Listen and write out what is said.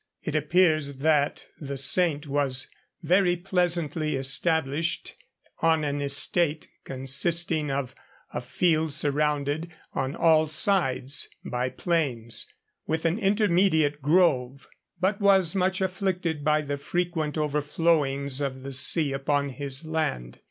It appears that the saint was very pleasantly established on an estate consisting of a field surrounded on all sides by plains, with an intermediate grove, but was much afflicted by the frequent overflowings of the sea upon his land.